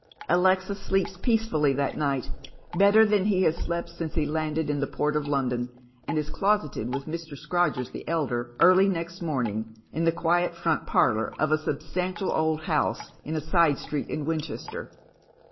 Alexis sleeps peacefully that night, better than he has slept since he landed in the port of London, and is closeted with Mr. Scrodgers the elder early next morning, in the quiet front parlour of a substantial old house in a side street in Winchester.